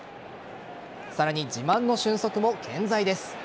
さらに、自慢の俊足も健在です。